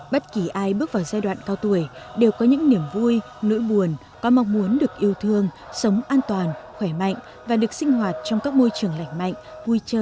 bất kỳ ai bước vào giai đoạn cao tuổi đều có những niềm vui nỗi buồn có mong muốn được yêu thương sống an toàn khỏe mạnh và được sinh hoạt trong các môi trường lạnh mạnh vui chơi giải trí tinh thần thoải mái